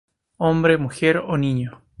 Hombre, mujer o niño".